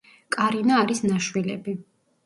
კარინა არის ნაშვილები.